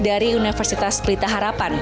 dari universitas pelita harapan